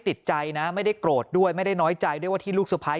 ติดใจนะไม่ได้โกรธด้วยไม่ได้น้อยใจด้วยว่าที่ลูกสะพ้าย